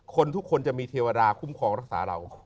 คนทุกคนจะมีเทวดาคุ้มครองรักษาเรา